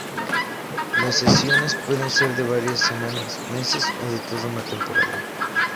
Las cesiones pueden ser de varias semanas, meses o de toda una temporada.